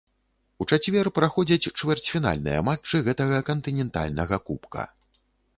У чацвер праходзяць чвэрцьфінальныя матчы гэтага кантынентальнага кубка.